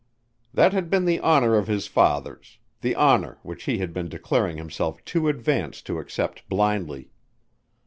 That had been the honor of his fathers, the honor which he had been declaring himself too advanced to accept blindly.